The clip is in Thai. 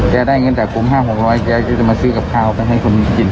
แจได้เงินจากกลุ่มห้าหกร้อยแจก็จะมาซื้อกับข้าวไปให้คนกิน